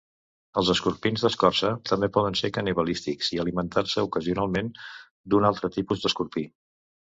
Els escorpins d'escorça també poden ser canibalístics i alimentar-se ocasionalment d'un altre tipus d'escorpí.